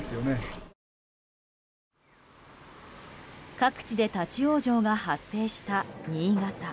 各地で立ち往生が発生した新潟。